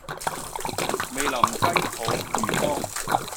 味淋雞泡魚干